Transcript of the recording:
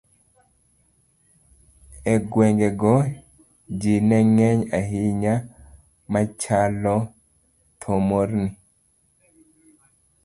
E gweng'no, ji ne ng'eny ahinya machalo thomorni